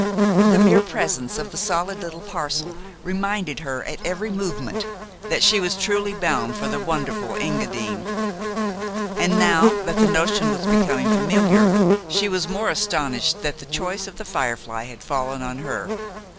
The mere presence of the solid little parcel reminded her at every movement that she was truly bound for the wonderful Engadine, and, now that the notion was becoming familiar, she was the more astonished that the choice of "The Firefly" had fallen on her.